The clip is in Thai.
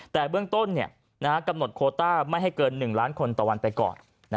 แต่เบื้องต้นกำหนดโคต้าไม่ให้เกิน๑ล้านคนต่อวันไปก่อน